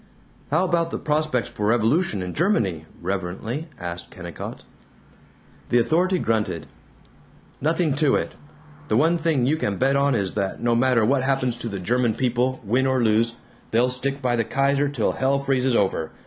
"How about the prospects for revolution in Germany?" reverently asked Kennicott. The authority grunted, "Nothing to it. The one thing you can bet on is that no matter what happens to the German people, win or lose, they'll stick by the Kaiser till hell freezes over.